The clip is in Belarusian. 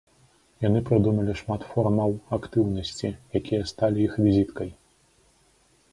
Яны прыдумалі шмат формаў актыўнасці, якія сталі іх візіткай.